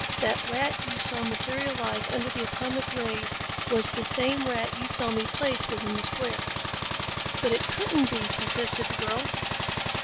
"That rat you saw materialize under the atomic rays was the same rat you saw me place within the square." "But it couldn't be," protested the girl.